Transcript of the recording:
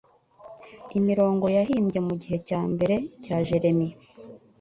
Imirongo yahimbye mugihe cya mbere cya Jeremy